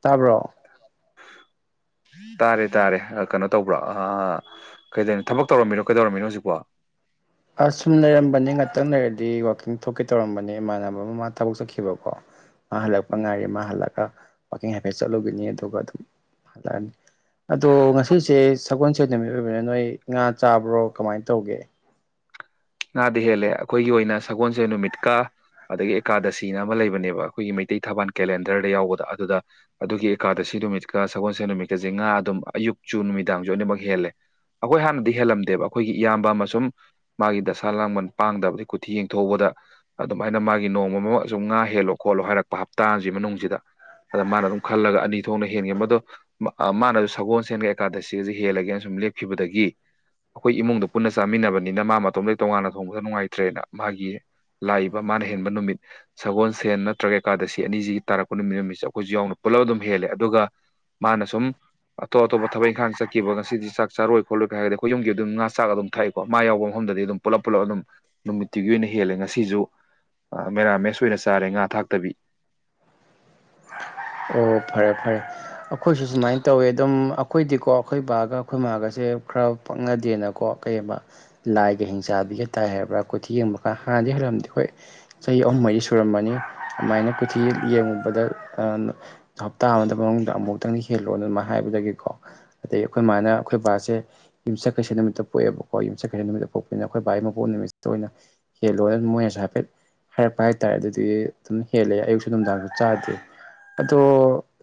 ꯇꯥꯕ꯭ꯔꯣ꯫ [unintelligible] ꯇꯥꯔꯦ ꯇꯥꯔꯦ ꯑ ꯀꯩꯅꯣ ꯇꯧꯕ꯭ꯔꯥ ꯑ ꯀꯩꯗꯣꯏꯅꯣ ꯊꯕꯛ ꯇꯧꯔꯝꯃꯤꯔꯣ ꯀꯩꯗꯧꯔꯝꯃꯤꯅꯣ ꯍꯧꯖꯤꯛꯄꯣ꯫ ꯑ ꯁꯨꯝ ꯂꯩꯔꯝꯕꯅꯦ ꯉꯥꯛꯇꯪ ꯂꯩꯔꯗꯤ ꯋꯥꯛꯀꯤꯡ ꯊꯣꯛꯀꯦ ꯇꯧꯔꯝꯕꯅꯦ ꯏꯃꯥꯟꯅꯕ ꯑꯃ ꯃꯥ ꯊꯕꯛ ꯆꯠꯈꯤꯕꯀꯣ꯫ ꯃꯥ ꯍꯜꯂꯛꯄ ꯎꯝ ꯉꯥꯏꯔꯤ ꯃꯥ ꯍꯜꯂꯒ ꯋꯥꯛꯀꯤꯡ ꯍꯥꯏꯐꯦꯠ ꯆꯠꯂꯨꯈꯤꯅꯤ ꯑꯗꯨꯒ ꯑꯗꯨꯝ ꯍꯜꯂꯛꯑꯅꯤ꯫ ꯑꯗꯣ ꯉꯁꯤꯁꯦ ꯁꯒꯣꯜ ꯁꯦꯟ ꯅꯨꯃꯤꯠ ꯑꯣꯏꯕꯩꯔ ꯅꯣꯏ ꯉꯥ ꯆꯥꯕ꯭ꯔꯣ ꯀꯃꯥꯏꯅ ꯇꯧꯒꯦ ꯉꯥꯗꯤ ꯍꯦꯜꯂꯦ ꯑꯈꯣꯏꯒꯤ ꯑꯣꯏꯅ ꯁꯒꯣꯜꯁꯦꯜ ꯅꯨꯃꯤꯠꯀꯥ ꯑꯗꯒꯤ ꯑꯦꯀꯥꯗꯁꯤꯅ ꯑꯃ ꯂꯩꯕꯅꯦꯕ ꯑꯩꯈꯣꯏꯒꯤ ꯃꯩꯇꯩ ꯊꯕꯥꯟ ꯀꯦꯂꯦꯟꯗꯔꯗ ꯌꯥꯎꯕꯗ ꯑꯗꯨꯗ ꯑꯗꯨꯒꯤ ꯑꯦꯀꯥꯗꯁꯤ ꯅꯨꯃꯤꯠꯀ ꯁꯒꯣꯜꯁꯦꯟ ꯅꯨꯃꯤꯠꯀꯖꯦ ꯉꯥ ꯑꯗꯨꯝ ꯑꯌꯨꯛ ꯆꯨ ꯅꯨꯃꯤꯗꯥꯡꯖꯨ ꯂꯣꯏꯅꯃꯛ ꯍꯦꯜꯂꯦ ꯑꯩꯈꯣꯏ ꯍꯥꯟꯅꯗꯤ ꯍꯦꯜꯂꯝꯗꯦꯕ ꯑꯩꯈꯣꯏꯒꯤ ꯏꯌꯥꯝꯕ ꯑꯃ ꯁꯨꯝ ꯃꯥꯒꯤ ꯗ ꯁꯥ ꯂꯥꯡꯕꯟ ꯄꯥꯡꯗꯕꯗꯒꯤ ꯀꯨꯊꯤ ꯌꯦꯡꯊꯣꯛꯎꯕꯗ ꯑꯗꯨꯃꯥꯏꯅ ꯃꯥꯒꯤ ꯅꯣꯡꯃꯃ ꯁꯨꯝ ꯉꯥ ꯍꯦꯜꯂꯣ ꯈꯣꯠꯂꯣ ꯍꯥꯏꯔꯛꯄ ꯍꯞꯇꯥꯁꯤ ꯃꯅꯨꯡꯁꯤꯗ꯫ ꯑꯗ ꯃꯥꯅ ꯑꯗꯨꯝ ꯈꯜꯂꯒ ꯑꯅꯤ ꯊꯣꯛꯅ ꯍꯦꯟꯒꯦ ꯃꯗꯣ ꯃ-ꯑ ꯃꯥꯅꯁꯨ ꯁꯒꯣꯜꯁꯦꯟꯒ ꯑꯦꯀꯥꯗꯁꯤꯒꯁꯦ ꯍꯦꯜꯂꯒꯦꯅ ꯁꯨꯝ ꯂꯦꯞꯈꯤꯕꯗꯒꯤ꯫ ꯑꯈꯣꯏ ꯏꯃꯨꯡꯗ ꯄꯨꯟꯅ ꯆꯃꯤꯟꯅꯕꯅꯤꯅ ꯃꯥ ꯃꯇꯣꯝꯗ ꯇꯣꯉꯥꯟꯅ ꯊꯣꯡꯕꯗ ꯅꯨꯡꯉꯥꯏꯇ꯭ꯔꯦꯅ ꯃꯥꯒꯤ ꯂꯥꯛꯏꯕ ꯃꯥꯅ ꯍꯦꯟꯕ ꯅꯨꯃꯤꯠ ꯁꯒꯣꯟꯁꯦꯟ ꯅꯠꯇ꯭ꯔꯒ ꯑꯦꯀꯥꯗꯁꯤ ꯑꯅꯤꯁꯤꯒꯤ ꯇꯥꯔꯛꯄ ꯅꯨꯃꯤꯠ ꯅꯨꯃꯤꯠꯁꯦ ꯑꯩꯈꯣꯏꯁꯨ ꯌꯥꯎꯅ ꯄꯨꯜꯂꯞ ꯑꯗꯨꯝ ꯍꯦꯜꯂꯦ ꯑꯗꯨꯒ ꯃꯥꯅ ꯁꯨꯝ ꯑꯇꯣꯞ ꯑꯇꯣꯞꯄ ꯊꯕꯛ ꯏꯪꯈꯥꯡ ꯆꯠꯈꯤꯕ ꯉꯁꯤꯗꯤ ꯆꯥꯛ ꯆꯥꯔꯣꯏ ꯈꯣꯠꯂꯣꯏ ꯀ ꯍꯥꯏꯔꯗꯤ ꯑꯈꯣꯏ ꯌꯨꯝꯒꯤ ꯑꯗꯨꯝ ꯉꯥ ꯆꯥꯛ ꯑꯗꯨꯝ ꯊꯥꯛꯏꯀꯣ ꯃꯥ ꯌꯥꯎꯕ ꯃꯐꯝꯗꯗꯤ ꯑꯗꯨꯝ ꯄꯨꯂꯞ ꯄꯨꯂꯞ ꯑꯗꯨꯝ ꯅꯨꯃꯤꯠꯇꯨꯒꯤ ꯑꯣꯏꯅ ꯍꯦꯜꯂꯦ ꯉꯁꯤꯁꯨ꯫ ꯑꯥ ꯃꯦꯔꯥꯃꯦꯁ ꯑꯣꯏꯅ ꯆꯥꯔꯦ ꯉꯥ ꯊꯥꯛꯇꯕꯤ ꯑꯣ ꯐꯔꯦ ꯐꯔꯦ ꯑꯈꯣꯏꯁꯨ ꯁꯨꯃꯥꯏꯟ ꯇꯧꯋꯦ ꯑꯗꯨꯝ ꯑ ꯈꯣꯏꯗꯤꯀꯣ ꯑꯩꯈꯣꯏ ꯕꯥꯒ ꯑꯩꯈꯣꯏ ꯃꯥꯒꯁꯦ ꯈꯔ ꯄꯪꯅꯗꯦꯅꯀꯣ ꯀꯩꯑꯕ ꯂꯥꯏꯒ ꯍꯤꯡꯆꯥꯕꯤꯒ ꯇꯥꯏ ꯍꯥꯏꯔꯕ꯭ꯔꯥ ꯀꯨꯊꯤ ꯌꯦꯡꯕꯀꯥꯟ ꯍꯥꯟꯅꯗꯤ ꯍꯦꯜꯂꯝꯗꯦ ꯍꯣꯏ ꯆꯍꯤ ꯑꯍꯨꯝ ꯃꯔꯤ ꯁꯨꯔꯝꯃꯅꯤ ꯑꯗꯨꯃꯥꯏꯅ ꯀꯨꯊꯤ ꯌꯦꯡꯉꯨꯕꯗ ꯑꯥꯟꯅꯣ ꯍꯞꯇꯥ ꯑꯃꯗ ꯃꯅꯨꯡꯗ ꯑꯃꯨꯛꯇꯪ ꯍꯦꯜꯂꯣꯅ ꯑꯗꯨꯃꯥꯏ ꯍꯥꯏꯕꯗꯒꯤꯀꯣ ꯑꯗꯩ ꯑꯩꯈꯣꯏ ꯃꯥꯅ ꯑꯩꯈꯣꯏ ꯕꯥꯁꯦ ꯌꯨꯝꯆꯠꯀꯩꯁ ꯅꯨꯃꯤꯠꯇ ꯄꯣꯛꯑꯦꯕꯀꯣ ꯌꯨꯝꯆꯠꯀꯩꯁ ꯅꯨꯃꯤꯠꯇ ꯄꯣꯛꯄꯅꯤꯅ ꯑꯈꯣꯏ ꯚꯥꯏ ꯃꯄꯣꯛ ꯅꯨꯃꯤꯠꯇ ꯑꯣꯏꯅ ꯍꯦꯜꯂꯣꯏ ꯃꯣꯏꯅꯁꯨ ꯍꯥꯏꯐꯦꯠ ꯍꯥꯏꯔꯛꯄ ꯍꯥꯏꯇꯥꯔꯦ ꯑꯗꯨꯗꯨꯗꯤ ꯑꯗꯨꯝ ꯍꯦꯜꯂꯦ ꯑꯌꯨꯛꯁꯨ ꯅꯨꯡꯗꯥꯡꯁꯨ ꯆꯥꯗꯦ ꯑꯗꯣ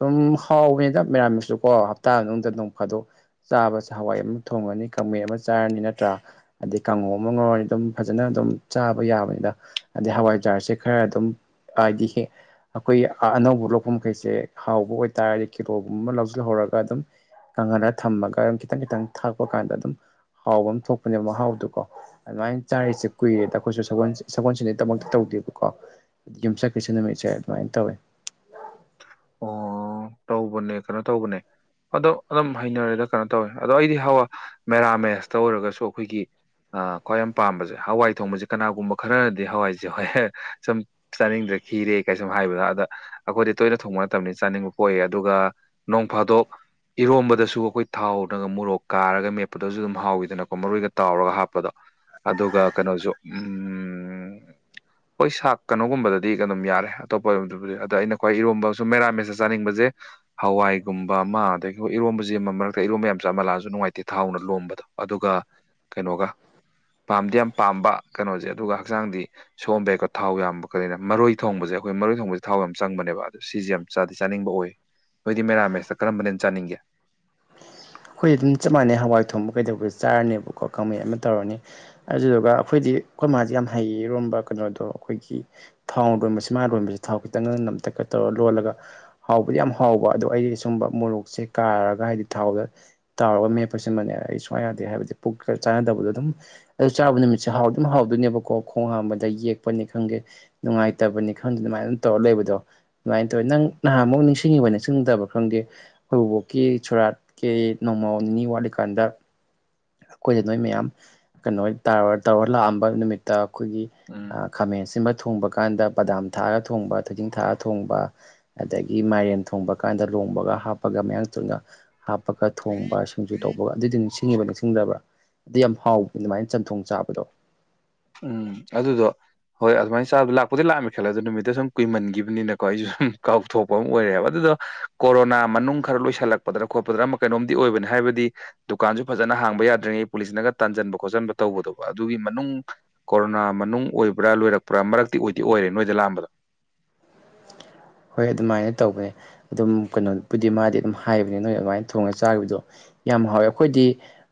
ꯑꯗꯨꯝ ꯍꯥꯎꯕꯅꯤꯗ ꯃꯦꯔꯥꯃꯤꯁꯁꯨꯨ ꯀꯣ ꯍꯞꯇꯥ ꯃꯅꯨꯡꯗ ꯅꯣꯡ ꯐꯥꯗꯣꯛ ꯆꯥꯕꯁꯦ ꯍꯋꯥꯏ ꯑꯃ ꯊꯣꯡꯉꯅꯤ ꯀꯥꯡꯃꯦ ꯑꯃ ꯆꯥꯔꯅꯤ ꯅꯠꯇ꯭ꯔꯥ ꯑꯗꯩ ꯀꯥꯡꯉꯧ ꯑꯃ ꯉꯧꯔꯅꯤ ꯑꯗꯨꯝ ꯐꯖꯅ ꯑꯗꯨꯝ ꯆꯥꯕ ꯌꯥꯕꯅꯤꯗ ꯑꯗꯩ ꯍꯋꯥꯏꯖꯥꯔꯁꯦ ꯈꯔ ꯑꯗꯨꯝ ꯑꯥꯏꯗꯤ ꯍꯦꯛ ꯑꯈꯣꯏ ꯑꯩ ꯑꯅꯧꯕꯂꯣꯛ ꯄꯨꯝꯈꯩꯁꯦ ꯍꯥꯎꯕ ꯑꯣꯏꯇꯥꯔꯗꯤ ꯀꯤꯂꯣꯒꯨꯝꯕ ꯂꯧꯖꯤꯜꯍꯧꯔꯒꯥ ꯑꯗꯨꯝ ꯀꯪꯍꯜꯂ ꯊꯝꯃꯒ ꯑꯗꯨꯝ ꯈꯤꯇꯪ ꯈꯤꯇꯪ ꯊꯥꯛꯄ ꯀꯥꯟꯗ ꯑꯗꯨꯝ ꯍꯥꯎꯕ ꯑꯃ ꯊꯣꯛꯄꯅꯦꯕ ꯃꯍꯥꯎꯗꯨꯀꯣ ꯑꯗꯨꯃꯥꯏꯟ ꯆꯥꯔꯤꯁꯦ ꯀꯨꯏꯔꯦꯗ ꯑꯈꯣꯏꯁꯨ ꯁꯒꯣꯜ ꯁꯒꯣꯜꯁꯦꯟꯗꯃꯛꯇꯥ ꯇꯧꯗꯦꯕꯀꯣ ꯌꯨꯝꯁꯥꯀꯩꯁꯥ ꯅꯨꯃꯤꯠꯁꯦ ꯑꯗꯨꯃꯥꯏꯟ ꯇꯧꯋꯦ ꯑꯣ ꯇꯧꯕꯅꯦ ꯀꯩꯅꯣ ꯇꯧꯕꯅꯦ ꯑꯗꯣ ꯑꯗꯨꯝ ꯍꯩꯅꯔꯦꯗ ꯀꯩꯅꯣ ꯇꯧꯋꯦ ꯑꯗꯣ ꯑꯩꯗꯤ ꯍꯥꯎꯋꯥ ꯃꯦꯔꯥꯃꯦꯁꯇ ꯑꯣꯏꯔꯒꯁꯨ ꯑꯈꯣꯏꯒꯤ ꯑꯥ ꯈ꯭ꯋꯥꯏ ꯌꯥꯝ ꯄꯥꯝꯕꯖꯦ ꯍꯋꯥꯏ ꯊꯣꯡꯕꯖꯦ ꯀꯅꯥꯒꯨꯝꯕ ꯈꯔꯗꯤ ꯍꯋꯥꯏꯖꯦ ꯍꯣꯏ ꯁꯨꯝ ꯆꯥꯅꯤꯡꯗ꯭ꯔꯦ ꯈꯤꯔꯦ ꯀꯥꯏ ꯁꯨꯝ ꯍꯥꯏꯕꯗ ꯑꯗ ꯑꯈꯣꯏꯗꯤ ꯇꯣꯏꯅ ꯊꯣꯡꯕ ꯅꯠꯇꯝꯅꯤꯅ ꯆꯥꯅꯤꯡꯕ ꯄꯣꯛꯏ ꯑꯗꯨꯒ ꯅꯣꯡ ꯐꯥꯗꯣꯛ ꯏꯔꯣꯝꯕꯗꯁꯨ ꯑꯈꯣꯏ ꯊꯥꯎꯅꯒ ꯃꯣꯔꯣꯛ ꯀꯥꯔꯒ ꯃꯦꯞꯄꯗꯨꯖꯨ ꯑꯗꯨꯝ ꯍꯥꯎꯋꯤꯗꯅꯀꯣ ꯃꯔꯣꯏꯒ ꯇꯥꯎꯔꯒ ꯍꯥꯞꯄꯗꯣ ꯑꯗꯨꯒ ꯀꯅꯣꯖꯨ ꯎꯝ ꯍꯣꯏ ꯁꯥꯛ ꯀꯅꯣꯒꯨꯝꯕꯗꯗꯤ ꯑꯗꯨꯝ ꯌꯥꯔꯦ ꯑꯇꯣꯞꯄꯗꯨꯕꯨꯗꯤ ꯑꯗ ꯑꯩꯅ ꯈ꯭ꯋꯥꯏ ꯏꯔꯣꯝꯕ ꯁꯨꯝ ꯃꯦꯔꯥ ꯃꯦꯁꯇ ꯆꯥꯅꯤꯡꯕꯖꯦ ꯍꯋꯥꯏꯒꯨꯝꯕ ꯑꯃ ꯑꯗꯒꯤ ꯍꯣꯏ ꯏꯔꯣꯝꯕꯖꯦ ꯑꯃ ꯃꯔꯛꯇ ꯏꯔꯣꯝꯕ ꯌꯥꯝ ꯆꯥꯃꯍꯜꯂꯑꯖꯨ ꯅꯨꯡꯉꯥꯏꯇꯦ ꯊꯥꯎꯅ ꯂꯣꯝꯕꯗꯣ ꯑꯗꯨꯒ ꯀꯩꯅꯣꯒ ꯄꯥꯝꯗꯤ ꯌꯥꯝ ꯄꯥꯝꯕ ꯀꯩꯅꯣꯖꯦ ꯑꯗꯨꯒ ꯍꯛꯆꯥꯡꯗꯤ ꯁꯣꯝꯕ ꯌꯥꯩꯀꯣ ꯊꯥꯎ ꯌꯥꯝꯕ ꯀꯅ ꯃꯔꯣꯏ ꯊꯣꯡꯕꯁꯦ ꯑꯩꯈꯣꯏ ꯃꯔꯣꯏ ꯊꯣꯡꯕꯁꯦ ꯊꯥꯎ ꯌꯥꯝꯅ ꯆꯪꯕꯅꯦꯕ ꯁꯤꯖꯤ ꯌꯥꯝ ꯆꯥꯗꯤ ꯆꯥꯅꯤꯡꯕ ꯑꯣꯏ ꯅꯣꯏꯗꯤ ꯃꯦꯔꯥꯃꯦꯁꯇ ꯀꯔꯝꯕꯅ ꯍꯦꯟ ꯆꯥꯅꯤꯡꯒꯦ ꯈꯣꯏ ꯑꯗꯨꯝ ꯆꯞ ꯃꯥꯟꯅꯩ ꯍꯋꯥꯏ ꯊꯣꯡꯕ ꯀꯩꯗꯧꯕ ꯆꯥꯔꯅꯦꯕꯀꯣ ꯀꯥꯡꯃꯦꯠ ꯑꯃ ꯇꯧꯔꯅꯤ ꯑꯗꯨꯗꯨꯒ ꯑꯈꯣꯏꯗꯤ ꯈꯣꯏ ꯃꯥꯖꯦ ꯌꯥꯝ ꯍꯩ ꯏꯔꯣꯝꯕ ꯀꯩꯅꯣꯗꯣ ꯑꯈꯣꯏꯒꯤ ꯊꯥꯎꯅ ꯂꯣꯟꯕꯁꯤ ꯃꯥꯅ ꯂꯣꯟꯕꯁꯤ ꯊꯥꯎ ꯈꯤꯇꯪꯒ ꯅꯝꯇꯛꯀ ꯇꯧꯔ ꯂꯣꯜꯂꯒ ꯍꯥꯎꯕꯗꯤ ꯌꯥꯝ ꯍꯥꯎꯕ ꯑꯗꯣ ꯑꯩꯗꯤ ꯁꯨꯝꯕ ꯃꯣꯔꯣꯛꯁꯦ ꯀꯥꯔꯒ ꯍꯥꯏꯗꯤ ꯊꯥꯎꯗ ꯇꯥꯎꯔꯒ ꯃꯦꯞꯄꯁꯤꯟꯕꯅꯦ ꯑꯩ ꯁꯨꯌꯥ ꯌꯥꯗꯦ ꯍꯥꯏꯕꯗꯤ ꯄꯨꯛꯀ ꯆꯥꯟꯅꯗꯕꯗꯣ ꯑꯗꯨꯝ ꯑꯗꯨ ꯆꯥꯔꯨꯕ ꯅꯨꯃꯤꯠꯁꯦ ꯍꯥꯎꯗꯤꯝ ꯍꯥꯎꯗꯣꯏꯅꯦꯕꯀꯣ ꯈꯣꯡ ꯍꯥꯝꯕꯗ ꯌꯦꯛꯄꯅꯤ ꯈꯪꯗꯦ ꯅꯨꯡꯉꯥꯏꯇꯕꯅꯤ ꯈꯪꯗꯦ ꯑꯗꯨꯃꯥꯏꯅ ꯑꯗꯨꯝ ꯇꯧꯔ ꯂꯩꯕꯗꯣ ꯑꯗꯨꯃꯥꯏꯅ ꯇꯧꯋꯤ ꯅꯪ ꯅꯍꯥꯟꯃꯨꯛ ꯅꯤꯡꯁꯤꯡꯉꯤꯕ ꯅꯤꯡꯁꯤꯡꯗꯕ ꯈꯪꯗꯦ ꯈꯣꯏ ꯕꯨꯕꯣꯛꯀꯤ ꯁꯣꯔꯥꯠ ꯀꯦ ꯅꯣꯡꯃ ꯅꯤꯅꯤ ꯋꯥꯠꯂꯤꯀꯥꯟꯗ ꯈꯣꯏꯗ ꯅꯣꯏ ꯃꯌꯥꯝ ꯀꯩꯅꯣꯍꯣꯏ [unintelligible] ꯇꯧꯔ ꯂꯥꯑꯝꯕ ꯅꯨꯃꯤꯠꯇ ꯈꯣꯏꯒꯤ ꯎꯝ ꯑꯥ ꯈꯥꯃꯦꯟ ꯑꯁꯤꯟꯕ ꯊꯣꯡꯕ ꯀꯥꯟꯗ ꯄꯗꯥꯝ ꯊꯥꯛꯑꯒ ꯊꯣꯡꯕ ꯊꯣꯏꯗꯤꯡ ꯊꯥꯛꯑ ꯊꯣꯡꯕ ꯑꯗꯒꯤ ꯃꯥꯏꯔꯦꯟ ꯊꯣꯡꯕ ꯀꯥꯟꯗ ꯂꯣꯡꯕꯒ ꯍꯥꯞꯄꯒ ꯃꯌꯥꯡ ꯇꯨꯟꯒ ꯍꯥꯞꯄꯒ ꯊꯣꯡꯕ ꯁꯤꯡꯖꯨ ꯇꯧꯕꯒ ꯑꯗꯨꯗꯤ ꯅꯤꯡꯁꯤꯡꯉꯤꯕ ꯅꯤꯡꯁꯤꯡ ꯁꯤꯡꯗꯕ꯭ꯔꯥ ꯑꯗꯨꯗ ꯌꯥꯝ ꯍꯥꯎꯕ ꯑꯗꯨꯃꯥꯏꯅ ꯆꯟꯊꯣꯡ ꯆꯥꯕꯗꯣ ꯎꯝ ꯑꯗꯨꯗꯣ ꯍꯣꯏ ꯑꯗꯨꯃꯥꯏ ꯆꯥꯕꯗꯣ ꯂꯥꯛꯄꯨꯗꯤ ꯗꯤ ꯂꯥꯛꯑꯝꯃꯦ ꯈꯜꯂ ꯑꯗꯨ ꯅꯨꯃꯤꯠꯇꯨ ꯁꯨꯝ ꯀꯨꯏꯃꯟꯒꯤꯕꯅꯤꯅꯀꯣ ꯑꯩꯖꯨ ꯀꯥꯎꯊꯣꯛꯄ ꯑꯝ ꯑꯣꯏꯔꯦꯕ ꯑꯗꯨꯗꯣ ꯀꯣꯔꯣꯅꯥ ꯃꯅꯨꯡ ꯈꯔ ꯂꯣꯏꯁꯤꯜꯂꯛꯄꯗ꯭ꯔ ꯈꯣꯠꯄꯗ꯭ꯔ ꯑꯃ ꯀꯩꯅꯣꯝꯗꯤ ꯑꯣꯏꯕꯅꯤ ꯍꯥꯏꯕꯗꯤ ꯗꯨꯀꯥꯟꯖꯨ ꯐꯖꯅ ꯍꯥꯡꯕ ꯌꯥꯗ꯭ꯔꯤꯉꯩ ꯄꯨꯂꯤꯁꯅꯒ ꯇꯥꯟꯖꯟꯕ ꯈꯣꯠꯆꯟꯕ ꯇꯧꯕꯗꯣꯕ ꯑꯗꯨꯒꯤ ꯃꯅꯨꯡ ꯀꯣꯔꯣꯅꯥ ꯃꯅꯨꯡ ꯑꯣꯏꯕ꯭ꯔꯥ ꯂꯣꯏꯔꯛꯄ꯭ꯔꯥ ꯃꯔꯛꯇꯤ ꯑꯣꯏꯗꯤ ꯑꯣꯏꯔꯦ ꯅꯣꯏꯗ ꯂꯥꯑꯝꯕꯗꯣ ꯍꯣꯏ ꯑꯗꯨꯃꯥꯏꯅ ꯇꯧꯕꯅꯦ ꯑꯗꯨꯝ ꯀꯩꯅꯣꯕꯨꯗꯤ ꯃꯥꯗꯤ ꯑꯗꯨꯝ ꯍꯥꯏꯕꯅꯦ ꯅꯣꯏ ꯑꯗꯨꯃꯥꯏꯅ ꯊꯣꯡꯉꯒ ꯆꯥꯒꯤꯕꯗꯣ ꯌꯥꯝ ꯍꯥꯎꯋꯦ ꯑꯈꯣꯏꯗꯤ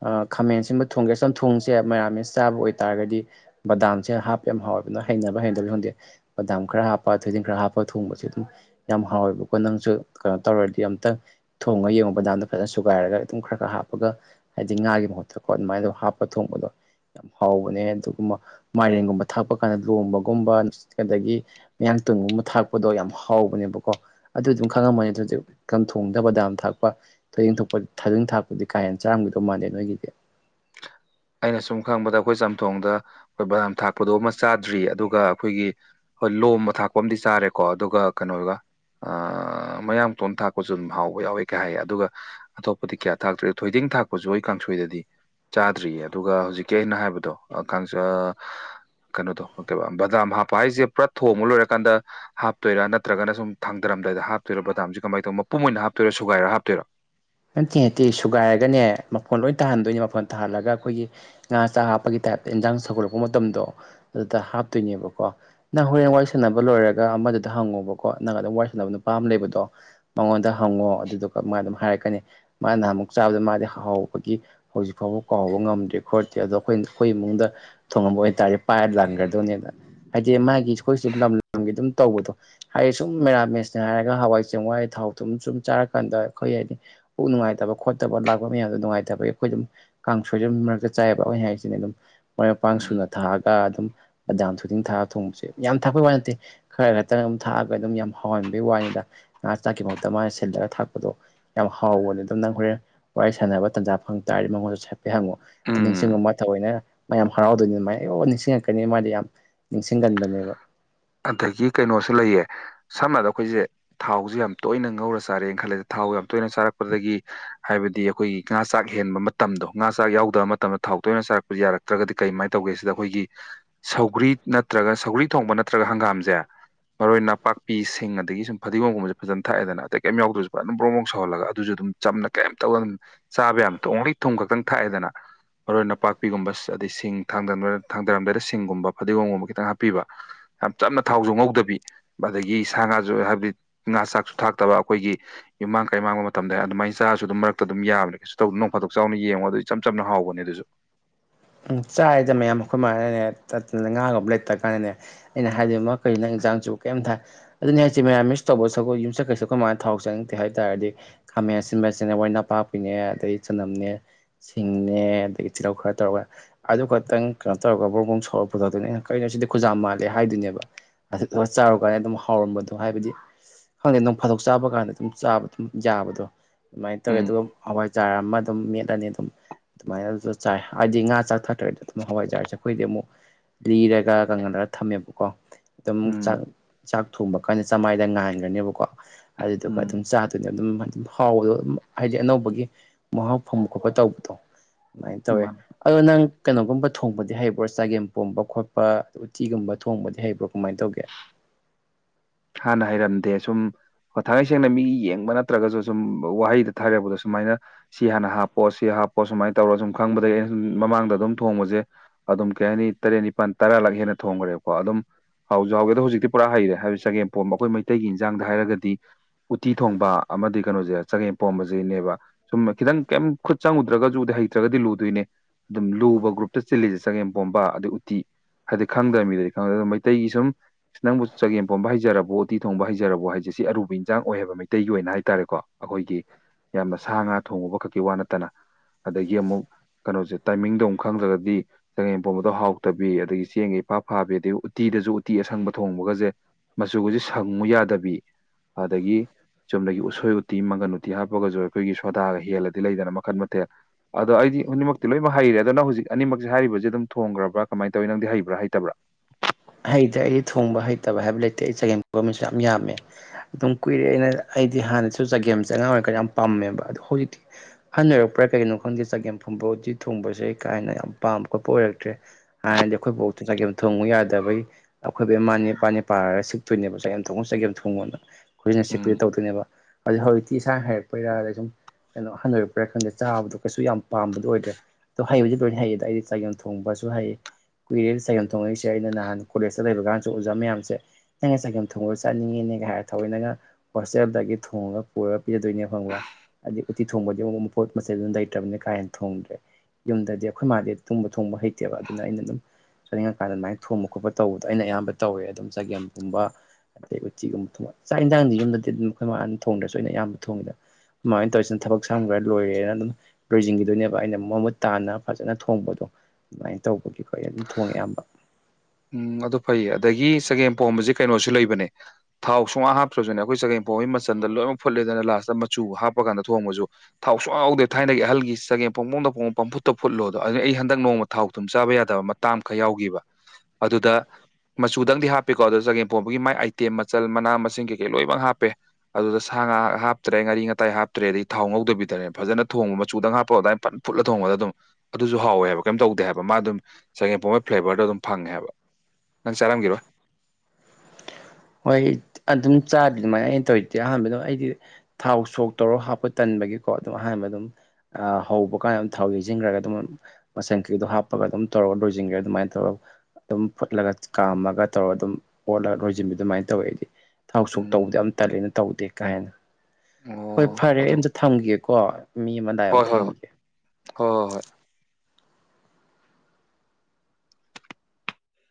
ꯑꯥ ꯈꯥꯃꯦꯟ ꯁꯤꯟꯕ ꯊꯣꯡꯒꯦꯔ ꯆꯝꯊꯣꯡꯁꯦ ꯃꯔꯥꯃꯦꯁ ꯆꯥꯕ ꯑꯣꯏꯇꯥꯔꯒꯗꯤ ꯕꯗꯥꯝꯁꯦ ꯍꯥꯞꯄ ꯌꯥꯝ ꯍꯥꯎꯋꯦꯕ ꯅꯣꯏ ꯍꯩꯅꯕ ꯍꯩꯅꯗꯕꯕꯤ ꯈꯪꯗꯦ ꯕꯗꯥꯝ ꯈꯔ ꯍꯥꯞꯄ ꯊꯣꯏꯗꯤꯡ ꯈꯔ ꯍꯥꯞꯄ ꯊꯣꯡꯕꯁꯤꯗ ꯌꯥꯝ ꯍꯥꯎꯋꯦꯕꯀꯣ ꯅꯪꯁꯨ ꯀꯩꯅꯣ ꯇꯧꯔꯗꯤ ꯑꯝꯇ ꯊꯣꯡꯉ ꯌꯦꯡꯉꯣ ꯕꯗꯥꯝꯗꯣ ꯐꯖꯅ ꯁꯨꯒꯥꯏꯔꯒ ꯑꯗꯨꯝ ꯈꯔ ꯈꯔ ꯍꯥꯞꯄꯒ ꯍꯥꯏꯗꯤ ꯉꯥꯒꯤ ꯃꯍꯨꯠꯇꯀꯣ ꯑꯗꯨꯃꯥꯏꯅꯗꯣ ꯍꯥꯞꯄ ꯊꯣꯡꯕꯗꯣ ꯌꯥꯝ ꯍꯥꯎꯕꯅꯦ ꯑꯗꯨꯒꯨꯝꯕ ꯃꯥꯏꯔꯦꯟꯒꯨꯝꯕ ꯊꯥꯛꯄ ꯀꯥꯟꯗ ꯂꯣꯝꯕꯒꯨꯝꯕ ꯑꯗꯒꯤ ꯃꯌꯥꯡ ꯇꯨꯟꯒꯨꯝꯕ ꯊꯥꯛꯄꯗꯣ ꯌꯥꯝ ꯍꯥꯎ ꯍꯥꯎꯕꯅꯦꯕꯀꯣ ꯑꯗꯨ ꯑꯗꯨꯝ ꯈꯪꯉꯝꯃꯅꯤ ꯑꯗꯨꯗꯤ ꯆꯝꯊꯣꯡꯗꯕ ꯕꯗꯥꯝ ꯊꯥꯛꯄ ꯊꯣꯏꯌꯤꯡ ꯊꯣꯛꯄ ꯊꯥꯖꯤꯡ ꯊꯥꯛꯄꯗꯤ ꯀꯥ ꯍꯦꯟꯅ ꯆꯥꯔꯝꯒꯤꯗꯧ ꯃꯥꯟꯗꯦ ꯅꯣꯏꯒꯤꯗꯤ ꯑꯩꯅ ꯁꯨꯝ ꯈꯪꯕꯗ ꯑꯈꯣꯏ ꯆꯝꯊꯣꯡꯗ ꯈꯣꯏ ꯕꯗꯥꯝ ꯊꯥꯛꯄꯗꯣ ꯑꯃ ꯆꯥꯗ꯭ꯔꯤ ꯑꯗꯨꯒ ꯑꯈꯣꯏꯒꯤ ꯍꯣꯏ ꯂꯣꯝꯕ ꯊꯥꯛꯄ ꯑꯃꯗꯤ ꯆꯥꯔꯦꯀꯣ ꯑꯗꯨꯒ ꯀꯩꯅꯣꯒ ꯑꯥ ꯃꯌꯥꯡꯇꯣꯟ ꯊꯥꯛꯄꯖꯨ ꯑꯗꯨꯝ ꯍꯥꯎꯕ ꯌꯥꯎꯋꯦ ꯀꯥꯏ ꯍꯥꯏ ꯑꯗꯨꯒ ꯑꯇꯣꯞꯄꯗꯤ ꯀꯌꯥ ꯊꯥꯛꯇ꯭ꯔꯦ ꯊꯣꯏꯗꯤꯡ ꯊꯥꯛꯄꯖꯨ ꯑꯩ ꯀꯥꯡꯁꯣꯏꯗꯗꯤ ꯆꯥꯗ꯭ꯔꯤꯌꯦ ꯗꯨꯒ ꯍꯧꯖꯤꯛꯀꯤ ꯑꯩꯅ ꯍꯥꯏꯕꯗꯣ ꯀꯥꯡꯁ ꯀꯩꯅꯣꯗꯣ ꯀꯩꯕ ꯕꯗꯥꯝ ꯍꯥꯞꯄ ꯍꯥꯏꯖꯦ ꯄꯨꯔꯥ ꯊꯣꯡꯕ ꯂꯣꯏꯔꯀꯥꯟꯗ ꯍꯥꯞꯇꯣꯏꯔꯥ ꯅꯠꯇ꯭ꯔꯒꯅ ꯁꯨꯝ ꯊꯥꯡꯗꯔꯝꯗꯥꯏꯗ ꯍꯥꯞꯇꯣꯏꯔ ꯕꯗꯥꯝꯖꯤ ꯀꯃꯥꯏ ꯇꯧ ꯃꯄꯨꯝ ꯑꯣꯏꯅ ꯍꯥꯞꯇꯣꯏꯔꯣ ꯁꯨꯒꯥꯏꯔ ꯍꯥꯞꯇꯣꯏꯔꯣ ꯅꯠꯇꯦ ꯅꯠꯇꯦ ꯁꯨꯒꯥꯏꯔꯒꯅꯦ ꯃꯐꯣꯟ ꯂꯣꯏ ꯇꯥꯍꯟꯗꯣꯏꯅꯦ ꯃꯐꯣꯟ ꯇꯥꯍꯜꯂꯒ ꯑꯈꯣꯏꯒꯤ ꯉꯥ ꯆꯥꯛ ꯍꯥꯞꯄꯒꯤ ꯇꯥꯏꯞꯇ ꯏꯟꯁꯥꯡ ꯁꯧꯒꯠꯂꯛꯄ ꯃꯇꯝꯗꯣ ꯑꯗꯨꯗ ꯍꯥꯞꯇꯣꯏꯅꯦꯕꯀꯣ ꯅꯪ ꯍꯣꯔꯦꯟ ꯋꯥꯔꯤ ꯁꯥꯟꯅꯕ ꯂꯣꯏꯔꯒ ꯑꯃꯗꯨꯗ ꯍꯪꯉꯣꯕꯀꯣ ꯅꯪ ꯑꯗꯨꯝ ꯋꯥꯔꯤ ꯁꯥꯟꯅꯕ ꯅꯨꯄꯥ ꯑꯃ ꯂꯩꯕꯗꯣ ꯃꯉꯣꯟꯗ ꯍꯪꯉꯣ ꯑꯗꯨꯗꯨꯒ ꯃꯥ ꯑꯗꯨꯝ ꯍꯥꯏꯔꯛꯀꯅꯤ ꯃꯥ ꯅꯍꯥꯟꯃꯨꯛ ꯆꯥꯕꯗꯣ ꯃꯥꯗꯤ ꯍꯥꯎꯕꯒꯤ ꯍꯧꯖꯤꯛ ꯐꯥꯎꯕ ꯀꯥꯎꯕ ꯉꯝꯗꯦ ꯈꯣꯠꯇꯦ ꯑꯗꯣ ꯑꯩꯈꯣꯏ ꯑꯩꯈꯣꯏ ꯏꯃꯨꯡꯗ ꯊꯣꯡꯉꯝꯕ ꯑꯣꯏꯇꯥꯥꯔꯦ ꯄꯥꯏꯔ ꯂꯥꯟꯈ꯭ꯔꯗꯧꯅꯦꯅ ꯍꯥꯏꯗꯤ ꯃꯥꯒꯤ [unintelligible] ꯁꯈꯣꯏꯁꯨ ꯑꯗꯨꯝ ꯂꯝ ꯂꯝꯒꯤ ꯑꯗꯨꯝ ꯇꯧꯕꯗꯣ ꯍꯥꯏꯗꯤ ꯁꯨꯝ ꯃꯦꯔꯥꯃꯦꯁꯅꯦ ꯍꯥꯏꯔꯒ ꯍꯋꯥꯏ ꯆꯦꯡꯋꯥꯏ ꯊꯥꯎ ꯊꯨꯝ ꯁꯨꯝ ꯆꯥꯔꯀꯥꯟꯗ ꯑꯩꯈꯣꯏ ꯍꯥꯏꯗꯤ ꯄꯨꯛ ꯅꯨꯡꯉꯥꯏꯇꯕ ꯈꯣꯠꯇꯕ ꯂꯥꯛꯄ ꯃꯌꯥꯝꯗꯣ ꯅꯨꯡꯉꯥꯏꯇꯕꯒꯤ ꯑꯩꯈꯣꯏ ꯑꯗꯨꯝ ꯀꯥꯡ ꯁꯣꯏꯖꯨ ꯑꯗꯨꯝ ꯃꯔꯛꯇ ꯆꯥꯏꯑꯦꯕ ꯑꯣꯏ ꯍꯥꯏꯔꯤꯁꯤꯅꯦ ꯑꯗꯨꯝ ꯃꯔꯣꯏ ꯃꯄꯥꯡ ꯎꯝ ꯁꯨꯅ ꯊꯥꯛꯑꯒ ꯑꯗꯨꯝ ꯗꯥꯝ ꯊꯨꯗꯤꯡ ꯊꯥꯛꯑꯒ ꯊꯣꯡꯕꯁꯦ ꯌꯥꯝ ꯊꯥꯛꯄꯩ ꯋꯥ ꯅꯠꯇꯦ ꯈꯔ ꯈꯛꯇꯅ ꯑꯗꯨꯝ ꯊꯥꯛꯑꯒ ꯑꯗꯨꯝ ꯌꯥꯝ ꯍꯥꯎꯍꯟꯕꯒꯤ ꯋꯥꯅꯤꯗ ꯉꯥ ꯆꯥꯛꯀꯤ ꯃꯍꯨꯠꯇ ꯃꯥꯅ ꯁꯤꯜꯂꯔꯒ ꯊꯥꯛꯄꯗꯣ ꯌꯥꯝ ꯍꯥꯎꯕꯅꯦ ꯑꯗꯨꯝ ꯅꯪ ꯍꯣꯔꯦꯟ ꯋꯥꯔꯤ ꯁꯥꯟꯅꯕ ꯇꯥꯟꯖꯥ ꯐꯪ ꯇꯥꯔꯗꯤ ꯃꯉꯣꯟꯗ ꯍꯥꯢꯐꯦꯠ ꯍꯪꯉꯣ ꯎꯝ ꯅꯤꯡꯁꯤꯡꯒꯨꯝꯕ ꯊꯧꯑꯣꯏꯅ ꯃꯥ ꯌꯥꯝ ꯍꯔꯥꯎꯗꯣꯏꯅꯤ ꯑꯗꯨꯃꯥꯏꯅ ꯅꯤꯡꯁꯤꯡꯉꯛꯀꯅꯤ ꯃꯥꯗꯤ ꯌꯥꯝ ꯅꯤꯡꯁꯤꯡꯒꯟꯕꯅꯦꯕ ꯑꯗꯒꯤ ꯀꯩꯅꯣꯁꯨ ꯂꯩꯌꯦ ꯁꯝꯅ ꯍꯥꯏꯔꯕꯗ ꯑꯩꯈꯣꯏꯁꯦ ꯊꯥꯎꯁꯦ ꯌꯥꯝ ꯇꯣꯏꯅ ꯉꯧꯔ ꯆꯥꯔꯦꯅ ꯈꯜꯂꯁꯦ ꯊꯥꯎ ꯌꯥꯝ ꯇꯣꯏꯅ ꯆꯥꯔꯛꯄꯗꯒꯤ ꯍꯥꯏꯕꯗꯤ ꯑꯩꯈꯣꯏꯒꯤ ꯉꯥ ꯆꯥꯛ ꯍꯦꯟꯕ ꯃꯇꯝꯗꯣ ꯉꯥ ꯆꯥꯛ ꯌꯥꯎꯗꯕ ꯃꯇꯝꯗ ꯊꯥꯎ ꯇꯣꯏꯅ ꯆꯥꯔꯄꯁꯨ ꯌꯥꯔꯛꯇꯦ ꯅꯠꯇ꯭ꯔꯒꯗꯤ ꯀꯩꯃꯥꯏꯅ ꯇꯧꯒꯦ ꯁꯤꯗ ꯑꯩꯈꯣꯏꯒꯤ ꯁꯧꯒ꯭ꯔꯤ ꯅꯠꯇ꯭ꯔꯒ ꯁꯧꯒ꯭ꯔꯤ ꯊꯣꯡꯕ ꯅꯠꯇ꯭ꯔꯒ ꯍꯪꯒꯥꯝꯁꯦ ꯃꯔꯣꯏ ꯅꯥꯄꯥꯛꯄꯤꯁꯤꯡ ꯑꯗꯒꯤ ꯁꯨꯝ ꯐꯗꯤꯒꯣꯒꯨꯝꯕꯁꯦ ꯐꯖꯅ ꯊꯥꯛꯑꯦꯗ ꯑꯇꯩ ꯀꯩꯝ ꯌꯥꯎꯗ꯭ꯔꯁꯨ ꯄꯨꯔꯥ ꯑꯗꯨꯝꯡ ꯕꯔꯣꯡ ꯕꯔꯣꯡ ꯁꯧꯍꯜꯂꯒ ꯑꯗꯨꯁꯨ ꯑꯗꯨꯝ ꯆꯝꯅ ꯀꯔꯤꯝ ꯇꯧ ꯆꯥꯕ ꯌꯥꯝ ꯊꯣꯡꯂꯦ ꯑꯣꯡꯂꯤ ꯊꯨꯝ ꯈꯛꯇꯪ ꯊꯥꯛꯑꯦꯗꯅ ꯃꯔꯨ ꯑꯣꯏꯅꯄꯥꯛꯄꯤꯒꯨꯝꯕ ꯑꯗꯩ ꯁꯤꯡ ꯊꯥꯡ ꯊꯥꯡ ꯊꯥꯡꯗꯔꯝꯗꯥꯏꯗ ꯁꯤꯡꯒꯨꯝꯕ ꯐꯗꯤꯒꯣꯝꯒꯨꯝꯕ ꯈꯤꯇꯪ ꯍꯥꯞꯄꯤꯕ ꯌꯥꯝ ꯆꯝꯅ ꯊꯥꯎꯁꯨ ꯉꯧꯗꯕꯤ ꯑꯗꯒꯤ ꯁꯥ ꯉꯥꯁꯨ ꯍꯥꯏꯕꯗꯤ ꯉꯥ ꯆꯥꯛꯁꯨ ꯊꯥꯛꯇꯕ ꯑꯩꯈꯣꯏꯒꯤ ꯌꯨꯝꯃꯥꯡ ꯀꯩ ꯃꯥꯡꯕ ꯃꯇꯝꯗ ꯑꯗꯨꯃꯥꯏꯅ ꯆꯥꯔꯁꯨ ꯑꯗꯨꯝ ꯃꯔꯛꯇ ꯑꯗꯨꯝ ꯌꯥꯕꯅꯦ ꯀꯩꯁꯨ ꯇꯧꯗꯕꯅꯦ ꯅꯣꯡ ꯐꯗꯣꯛ ꯆꯥꯎꯅꯦ ꯌꯦꯡꯉꯣ ꯑꯗꯨ ꯏꯆꯝꯆꯝꯅ ꯍꯥꯎꯕꯅꯦ ꯑꯗꯨꯁꯨ ꯆꯥꯔꯦꯗ ꯃꯌꯥꯝ ꯑꯩꯈꯣꯏꯅꯅꯦ ꯉꯥꯒꯨꯝꯕ ꯂꯩꯔꯛꯇ꯭ꯔ ꯀꯥꯟꯗꯅꯦ ꯑꯩꯅ ꯍꯥꯏꯗꯣꯏꯅꯦ ꯃꯥ ꯀꯩꯅꯣ ꯏꯟꯖꯥꯡꯁꯦ ꯀꯩꯝ ꯊꯥ ꯑꯗꯨꯅꯦ ꯍꯥꯏꯁꯦ ꯃꯌꯥꯝ ꯃꯤꯁ ꯇꯧꯕ ꯁꯒꯣꯏ ꯌꯨꯝꯆꯠꯀꯩꯁꯨ ꯈꯣꯏꯃꯥꯅ ꯊꯥꯎ ꯆꯪꯅꯤꯡꯗꯦ ꯍꯥꯏꯇꯥꯔꯗꯤ ꯈꯥꯃꯦꯟ ꯑꯁꯤꯟꯕꯁꯤꯅꯦ ꯃꯔꯣꯏ ꯅꯄꯥꯛꯄꯤꯅꯦ ꯑꯗꯩ ꯆꯅꯝꯅꯦ ꯁꯤꯡꯅꯦ ꯑꯗꯩ ꯇꯤꯜꯍꯧ ꯈꯔ ꯇꯧꯔꯒ ꯑꯗꯨ ꯈꯛꯇꯪ ꯀꯩꯅꯣ ꯇꯧꯔꯒ ꯕ꯭ꯔꯣꯡ ꯕ꯭ꯔꯣꯡ ꯁꯧꯔꯒ ꯄꯨꯊꯣꯛꯇꯣꯏꯅꯤ ꯀꯔꯤꯅꯣ ꯁꯤꯗꯤ ꯈꯨꯖꯥꯝ ꯃꯥꯜꯂꯦ ꯍꯥꯏꯗꯨꯏꯅꯦꯕ ꯑꯗꯨꯗꯨꯒ ꯆꯥꯔꯨꯀꯥꯟꯗ ꯑꯗꯨꯝ ꯍꯥꯎꯔꯝꯕꯗꯣ ꯍꯥꯏꯕꯗꯤ ꯈꯪꯗꯦ ꯅꯣꯡ ꯐꯥꯗꯣꯛ ꯆꯥꯕ ꯀꯥꯟꯗ ꯑꯗꯨꯝ ꯆꯥꯕ ꯑꯗꯨꯝ ꯌꯥꯕꯗꯣ ꯑꯗꯨꯃꯥꯏꯅ ꯇꯧꯋꯦ ꯎꯝ ꯑꯗꯨꯒ ꯍꯋꯥꯏꯖꯥꯔꯥ ꯑꯃ ꯑꯗꯨꯝ ꯃꯦꯠꯂꯅꯤ ꯑꯗꯨꯝ ꯑꯗꯨꯃꯥꯏꯅ ꯑꯗꯨ ꯆꯥꯏ ꯍꯥꯏꯗꯤ ꯉꯥ ꯆꯥꯛ ꯊꯥꯠꯇ꯭ꯔꯗꯤ ꯑꯗꯨꯝ ꯍꯋꯥꯏꯖꯥꯔꯁꯦ ꯑꯩꯈꯣꯏꯗꯤ ꯑꯃꯨꯛ ꯂꯤꯔꯒ ꯀꯪꯍꯟꯂꯒ ꯊꯝꯃꯦꯕꯀꯣ ꯑꯗꯨꯝ ꯆꯥꯛ ꯎꯝ ꯆꯥꯛ ꯊꯣꯡꯕ ꯀꯥꯟꯗ ꯆꯝꯃꯥꯏꯗ ꯉꯥꯏꯈ꯭ꯔꯅꯤꯕꯀꯣ ꯑꯗꯨꯗꯨꯒ ꯎꯝ ꯑꯗꯨꯝ ꯆꯥꯗꯣꯏꯅꯤ ꯑꯗꯨꯝ ꯑꯗꯨꯝ ꯍꯥꯎꯕꯗꯣ ꯑꯗꯨꯝ ꯍꯥꯏꯗꯤ ꯑꯅꯧꯕꯒꯤ ꯃꯍꯥꯎ ꯐꯝꯕ ꯈꯣꯠꯄ ꯇꯧꯕꯗꯣ ꯑꯗꯨꯃꯥꯏꯅ ꯇꯧꯋꯦ ꯃꯥꯅꯦ ꯑꯗꯣ ꯅꯪ ꯀꯩꯅꯣꯒꯨꯝꯕ ꯊꯣꯡꯕꯗꯤ ꯍꯩꯕ꯭ꯔꯣ ꯆꯒꯦꯝ ꯄꯣꯝꯕ ꯈꯣꯠꯄ ꯎꯇꯤꯒꯨꯝꯕ ꯊꯣꯡꯕꯗꯤ ꯍꯩꯕ꯭ꯔꯣ ꯀꯃꯥꯏꯅ ꯇꯧꯒꯦ ꯍꯥꯟꯅ ꯍꯩꯔꯝꯗꯦ ꯁꯨꯝ ꯊꯥꯡꯒꯩ ꯁꯦꯡꯅ ꯃꯤꯒꯤ ꯌꯦꯡꯕ ꯅꯠꯇ꯭ꯔꯒꯁꯨ ꯁꯨꯝ ꯋꯥꯍꯩꯗ ꯊꯥꯔꯛꯄꯗꯣ ꯁꯨꯃꯥꯏꯅ ꯁꯤ ꯍꯥꯟꯅ ꯍꯥꯞꯄꯣ ꯁꯤ ꯍꯥꯞꯄꯣ ꯁꯨꯃꯥꯏꯅ ꯇꯧꯔꯣ ꯁꯨꯝ ꯈꯪꯕꯗꯒꯤ ꯑꯩꯅ ꯃꯃꯥꯡꯗ ꯑꯗꯨꯝ ꯊꯣꯡꯕꯁꯦ ꯑꯗꯨꯝ ꯀꯩ ꯍꯥꯏꯅꯤ ꯇꯔꯦꯠ ꯅꯤꯄꯥꯜ ꯇꯔꯥ ꯂꯛ ꯍꯦꯟꯅ ꯊꯣꯡꯈ꯭ꯔꯦꯕꯀꯣ ꯑꯗꯨꯝ ꯍꯧꯁꯨ ꯍꯧꯋꯦ ꯑꯗꯣ ꯍꯧꯖꯤꯛꯇꯤ ꯄꯨꯔꯥ ꯍꯩꯔꯦ ꯍꯥꯏꯕꯗꯤ ꯆꯒꯦꯝ ꯄꯣꯝꯕ ꯑꯩꯈꯣꯏ ꯃꯩꯇꯩꯒꯤ ꯏꯟꯖꯥꯡꯗ ꯍꯥꯏꯔꯒꯗꯤ ꯎꯇꯤ ꯊꯣꯡꯕ ꯑꯃꯗꯤ ꯀꯩꯅꯣꯁꯦ ꯆꯒꯦꯝ ꯄꯣꯝꯕꯁꯤꯅꯦꯕ ꯁꯨꯝ ꯈꯤꯇꯪ ꯀꯩꯝ ꯈꯨꯠ ꯆꯪꯉꯨꯗ꯭ꯔꯒꯁꯨꯗꯤ ꯍꯩꯇ꯭ꯔꯒꯗꯤ ꯂꯨꯗꯣꯏꯅꯦ ꯑꯗꯨꯝ ꯂꯨꯕ ꯒ꯭ꯔꯨꯞꯇ ꯆꯤꯜꯂꯤꯁꯦ ꯆꯒꯦꯝꯄꯣꯝꯕ ꯑꯗꯩ ꯎꯇꯤ ꯍꯥꯏꯗꯤ ꯈꯪꯗꯕ ꯃꯤꯗꯗꯤ ꯈꯪꯗ꯭ꯔꯦ ꯃꯩꯇꯩꯒꯤ ꯁꯨꯝ ꯅꯪꯕꯨ ꯆꯒꯦꯝ ꯄꯣꯝꯕ ꯍꯩꯖꯔꯕꯣ ꯑꯣ ꯎꯇꯤ ꯊꯣꯡꯕ ꯍꯩꯖꯔꯕꯣ ꯍꯥꯏꯁꯦ ꯁꯤ ꯑꯔꯨꯕ ꯏꯟꯖꯥꯡ ꯑꯣꯏ ꯍꯥꯏꯕ ꯃꯩꯇꯩꯒꯤ ꯑꯣꯏꯅ ꯍꯥꯏꯇꯥꯔꯦꯀꯣ ꯑꯩꯈꯣꯏꯒꯤ ꯌꯥꯝꯅ ꯁꯥ ꯉꯥ ꯊꯣꯡꯉꯨꯕ ꯈꯛꯀꯤ ꯋꯥ ꯅꯠꯇꯅ ꯑꯗꯒꯤ ꯑꯃꯨꯛ ꯀꯩꯅꯣꯁꯦ ꯇꯥꯏꯃꯤꯡꯗꯣ ꯑꯃꯨꯛ ꯈꯪꯗ꯭ꯔꯒꯗꯤ ꯆꯒꯦꯝꯄꯣꯝꯕꯗꯣ ꯍꯥꯎꯇꯕꯤ ꯑꯗꯒꯤ ꯆꯦꯡꯒ ꯏꯐ ꯐꯥꯕꯤ ꯑꯗꯒꯤ ꯎꯇꯤꯗꯁꯨ ꯎꯇꯤ ꯑꯁꯪꯕ ꯊꯣꯡꯕꯒꯁꯦ ꯃꯆꯨꯒꯁꯦ ꯁꯪꯉꯨ ꯌꯥꯗꯕꯤ ꯑꯗꯒꯤ ꯆꯨꯝꯅꯒꯤ ꯎꯁꯣꯏ ꯎꯇꯤ ꯃꯪꯒꯟ ꯎꯇꯤ ꯍꯥꯞꯄꯒꯁꯨ ꯑꯩꯈꯣꯏꯒꯤ ꯁꯣꯗꯥꯒ ꯍꯦꯜꯂꯗꯤ ꯂꯩꯗꯅ ꯃꯈꯟ ꯃꯊꯦꯜ ꯑꯗꯣ ꯑꯩꯗꯤ ꯑꯅꯤꯃꯛꯇꯤꯂꯣꯏꯅꯃꯛ ꯍꯩꯔꯦ ꯑꯗꯣ ꯅꯪ ꯍꯧꯖꯤꯛ ꯑꯅꯤꯃꯛꯁꯦ ꯍꯥꯏꯔꯤꯕꯁꯦ ꯑꯗꯨꯝ ꯊꯣꯡꯈ꯭ꯔꯕ ꯀꯃꯥꯏꯅ ꯇꯧꯋꯤ ꯅꯪꯗꯤ ꯍꯩꯕ꯭ꯔ ꯍꯩꯇꯕ꯭ꯔ ꯍꯩ ꯑꯩꯗꯤ ꯊꯣꯡꯕ ꯍꯩꯇꯕ ꯍꯥꯏꯕ ꯂꯩꯇꯦ ꯑꯩ ꯆꯒꯦꯝ ꯑꯃꯁꯨ ꯌꯥꯝ ꯌꯥꯝꯃꯦ ꯑꯗꯨꯝ ꯀꯨꯏꯔꯦ ꯑꯩꯅ ꯑꯩꯗꯤ ꯍꯥꯟꯅꯁꯨ ꯆꯒꯦꯝꯁꯦ ꯑꯉꯥꯡ ꯑꯣꯏꯔꯤꯀꯥꯟ ꯌꯥꯝ ꯄꯥꯝꯃꯦꯕ ꯑꯗꯣ ꯍꯧꯖꯤꯛꯇꯤ ꯑꯍꯟ ꯑꯣꯏꯔꯛꯄꯒꯤꯔ ꯀꯩꯒꯤꯅꯣ ꯈꯪꯗꯦ ꯆꯒꯦꯝ ꯊꯣꯡꯕ ꯎꯇꯤ ꯊꯣꯡꯕꯁꯦ ꯀꯥ ꯍꯦꯟꯅ ꯌꯥꯝ ꯄꯥꯝꯕ ꯈꯣꯠꯄ ꯑꯣꯏꯔꯛꯇ꯭ꯔꯦ ꯍꯥꯟꯅꯗꯤ ꯑꯩꯈꯣꯏꯕꯣꯛꯇꯣ ꯆꯒꯦꯝ ꯊꯣꯡꯎ ꯌꯥ ꯗꯕꯩ ꯑꯩꯈꯣꯏ ꯑꯕꯦꯝꯃ ꯏꯕꯥꯅꯤ ꯄꯥꯔꯒ ꯁꯤꯛꯇꯣꯏꯅꯦꯕ ꯆꯒꯦꯝ ꯊꯣꯡꯉꯣ ꯆꯒꯦꯝ ꯊꯣꯡꯉꯣ ꯍꯥꯏꯅ ꯑꯩꯈꯣꯏꯖꯥꯅ ꯁꯤꯛꯄ ꯎꯝ ꯇꯧꯗꯣꯏꯅꯦꯕ ꯍꯧꯖꯤꯛꯇꯤ ꯏꯁꯥꯅ ꯍꯩꯔꯛꯄꯩꯔ ꯁꯨꯝ ꯀꯩꯅꯣ ꯑꯍꯟ ꯑꯣꯏꯔꯛꯄꯩꯔ ꯈꯪꯗꯦ ꯆꯥꯕꯗꯣ ꯀꯩꯁꯨ ꯌꯥꯝ ꯄꯥꯝꯕꯗꯨ ꯑꯣꯏꯗ꯭ꯔꯦ ꯑꯗꯣ ꯍꯩꯕꯗꯤ ꯂꯣꯏꯅ ꯍꯥꯏꯌꯦ ꯑꯗ ꯑꯩꯗꯤ ꯆꯥꯒꯦꯝ ꯊꯣꯡꯕꯁꯨ ꯍꯥꯏꯌꯦ ꯀꯨꯏꯔꯦ ꯆꯒꯦꯝ ꯊꯣꯡꯉꯛꯏꯁꯦ ꯑꯗꯨꯅ ꯀꯣꯂꯦꯖꯇ ꯂꯩꯕ ꯀꯥꯟꯗꯁꯨ ꯑꯣꯖꯥ ꯃꯌꯥꯝꯁꯦ ꯅꯪꯅ ꯆꯥꯒꯦꯝ ꯊꯣꯡꯕ ꯆꯠꯅꯤꯡꯉꯦꯅꯦ ꯍꯥꯏꯔꯒ ꯊꯧꯋꯣꯏꯅꯒ ꯍꯣꯁꯇꯦꯜꯗꯒꯤ ꯊꯣꯡꯉꯒ ꯄꯨꯔꯒ ꯄꯤꯖꯗꯣꯏꯅꯦ ꯈꯪꯕ꯭ꯔꯥ ꯍꯥꯏꯗꯤ ꯎꯇꯤ ꯊꯣꯡꯕꯗꯤ ꯑꯃꯨꯛ ꯃꯄꯣꯠ ꯃꯆꯩꯗꯨꯅ ꯂꯩꯇ꯭ꯔꯕꯅꯤ ꯀꯥ ꯍꯦꯟꯅ ꯊꯣꯡꯗ꯭ꯔꯦ ꯌꯨꯝꯗꯗꯤ ꯑꯩꯈꯣꯏ ꯃꯥꯗꯤ ꯑꯗꯨꯝꯕ ꯊꯣꯡꯕ ꯍꯩꯇꯦꯕ ꯑꯗꯨꯅ ꯑꯩꯅ ꯑꯗꯨꯝ ꯆꯠꯅꯤꯡꯉꯛꯀꯥꯟꯗ ꯑꯗꯨꯃꯥꯏꯅ ꯊꯣꯡꯕ ꯈꯣꯠꯄ ꯇꯧꯕꯗꯣ ꯑꯩꯅ ꯑꯌꯥꯝꯕ ꯇꯧꯋꯦ ꯑꯗꯨꯝ ꯆꯒꯦꯝꯒꯨꯝꯕ ꯑꯗꯩ ꯎꯇꯤꯒꯨꯝꯕ ꯊꯣꯡ ꯆꯥꯛ ꯏꯟꯁꯥꯡꯗꯤ ꯌꯨꯝꯗꯗꯤ ꯑꯗꯨꯝ ꯑꯩꯈꯣꯏ ꯃꯥꯅ ꯊꯣꯡꯗ꯭ꯔꯁꯨ ꯑꯩꯅ ꯑꯌꯥꯝꯕ ꯊꯣꯡꯉꯤꯗ ꯑꯈꯣꯏ ꯃꯥ ꯍꯣꯏ ꯇꯧꯔꯤꯁꯤꯅ ꯊꯕꯛ ꯁꯝꯈ꯭ꯔꯦ ꯂꯣꯏꯔꯦꯅ ꯗꯨꯝ ꯂꯣꯏꯖꯤꯟꯈꯤꯗꯣꯏꯅꯦꯕ ꯑꯩꯅ ꯃꯃꯨꯠ ꯇꯥꯅ ꯐꯖꯅ ꯊꯣꯡꯕꯗꯣ ꯑꯗꯨꯃꯥꯏꯅ ꯇꯧꯕꯒꯤ ꯑꯩꯈꯣꯏꯅ ꯑꯗꯨꯝ ꯊꯣꯡꯉꯦ ꯑꯌꯥꯝꯕ ꯎꯝ ꯑꯗꯨ ꯐꯩ ꯌꯦ ꯑꯗꯒꯤ ꯆꯒꯦꯝ ꯄꯣꯝꯕꯕꯁꯤ ꯀꯩꯅꯣꯁꯨ ꯂꯩꯕꯅꯦ ꯊꯥꯎ ꯁꯨꯡꯍꯥꯞ ꯍꯥꯞꯇ꯭ꯔꯁꯨꯅꯦ ꯑꯩꯈꯣꯏ ꯆꯒꯦꯝꯄꯣ ꯃꯆꯟꯗ ꯂꯣꯏꯅꯃꯛ ꯐꯨꯠꯂꯦꯗꯅ ꯂꯥꯁꯇ ꯃꯆꯨ ꯍꯥꯞꯄ ꯀꯥꯟꯗ ꯊꯣꯡꯕꯁꯨ ꯊꯥꯎ ꯁꯨꯡꯌꯥꯎꯗꯦ ꯊꯥꯏꯅꯒꯤ ꯑꯍꯜꯒꯤ ꯆꯒꯦꯝ ꯐꯣꯡꯄꯣꯡꯗ ꯐꯣꯡ ꯄꯝꯐꯨꯠꯇ ꯐꯨꯠꯂꯣꯗꯣ ꯑꯗꯨ ꯑꯩ ꯍꯟꯗꯛ ꯅꯣꯡꯃ ꯊꯥꯎ ꯑꯗꯨꯝ ꯆꯥꯕ ꯌꯥꯗꯕ ꯇꯥꯝꯈꯛ ꯌꯥꯎꯈꯤꯕ ꯑꯗꯨꯗ ꯃꯆꯨꯗꯪꯗꯤ ꯍꯥꯞꯄꯦꯀꯣ ꯑꯗꯣ ꯆꯒꯦꯝꯄꯣꯝꯕꯒꯤ ꯃꯥꯏ ꯑꯥꯏꯇꯦꯝ ꯃꯆꯜ ꯃꯅꯥ ꯃꯁꯤꯡ ꯀꯩꯀꯩ ꯂꯣꯏꯅꯃꯛ ꯍꯥꯞꯄꯦ ꯑꯗꯨꯗ ꯁꯥ ꯉꯥ ꯍꯥꯞꯇ꯭ꯔꯦ ꯉꯥꯔꯤ ꯉꯇꯥꯏ ꯍꯥꯞꯇ꯭ꯔꯦ ꯑꯗꯩ ꯊꯥꯎ ꯉꯧꯗꯕꯤꯗꯅꯅꯦ ꯐꯖꯅ ꯊꯣꯡꯕ ꯃꯆꯨꯗꯪ ꯍꯥꯞꯄꯣ ꯑꯗꯨꯃꯏꯅ ꯐꯨꯠꯂ ꯊꯣꯡꯕꯗ ꯑꯗꯨꯝ ꯑꯗꯨꯁꯨ ꯍꯥꯎꯋꯦ ꯍꯥꯏꯕ ꯀꯩꯝ ꯇꯧꯗꯦ ꯍꯥꯏꯕ ꯃꯥ ꯑꯗꯨꯝ ꯆꯒꯦꯝ ꯄꯣꯝꯕꯩ ꯐ꯭ꯂꯦꯕꯔꯗꯣ ꯑꯗꯨꯝ ꯐꯪꯉꯦ ꯍꯥꯏꯕ ꯅꯪ ꯆꯔꯥꯝꯒꯤꯔꯣꯏ ꯍꯣꯏ ꯑꯗꯨꯝ ꯆꯥꯕꯤ ꯑꯗꯨꯃꯥꯏꯅ ꯑꯩꯅ ꯇꯧꯔꯤꯗꯦ ꯑꯍꯥꯟꯕꯗꯣ ꯑꯩꯗꯤ ꯊꯥꯎ ꯁꯣꯛꯇꯧꯔꯒ ꯍꯥꯞꯄ ꯇꯟꯕꯒꯤꯀꯣ ꯑꯗꯨꯝ ꯍꯥꯟꯕ ꯑꯗꯨꯝ ꯑ ꯍꯧꯕ ꯀꯥꯟꯗ ꯑꯗꯨꯝ ꯊꯥꯎ ꯌꯩꯁꯤꯟꯈ꯭ꯔꯒ ꯑꯗꯨꯝ ꯃꯆꯟ ꯀꯩꯗꯣ ꯍꯥꯞꯄꯒ ꯑꯗꯨꯝ ꯇꯧꯔꯒ ꯂꯣꯏꯁꯤꯟꯒ꯭ꯔꯦ ꯑꯗꯨꯃꯥꯏꯅ ꯇꯧꯔꯒ ꯑꯗꯨꯝ ꯐꯨꯠꯂꯒ ꯀꯥꯝꯃꯒ ꯇꯧꯔꯒ ꯑꯗꯨꯝ ꯑꯣꯠꯂꯒ ꯂꯣꯏꯁꯤꯟꯕꯤ ꯑꯗꯨꯃꯥꯏꯅ ꯇꯧꯋꯦ ꯑꯩꯗꯤ ꯊꯥꯎ ꯁꯣꯛ ꯎꯝ ꯇꯧꯕꯗꯤ ꯌꯝꯇꯟꯂꯦ ꯇꯧꯗꯦ ꯀꯥꯏꯅ ꯍꯣꯏ ꯑꯣ ꯐꯔꯦ ꯑꯩ ꯑꯗꯨꯝ ꯑꯝꯇ ꯊꯝꯒꯤꯒꯦꯀꯣ ꯃꯤ ꯑꯃꯂꯛꯑꯦ ꯍꯣꯏ ꯍꯣꯏ ꯍꯣꯏ ꯊꯝꯈꯤꯒꯦ ꯍꯣꯏ ꯍꯣꯏ ꯍꯣꯏ